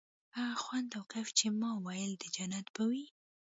هغه خوند او کيف چې ما ويل د جنت به وي.